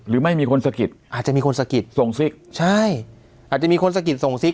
หรือไม่มีคนสะกิดอาจจะมีคนสะกิดส่งซิกใช่อาจจะมีคนสะกิดส่งซิก